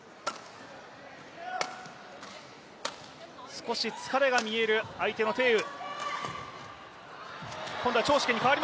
少し疲れが見える相手の鄭雨。